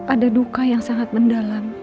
ada duka yang sangat mendalam